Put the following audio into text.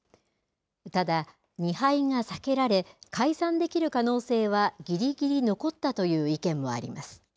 ただ、２敗が避けられ、解散できる可能性はぎりぎり残ったという意見もあります。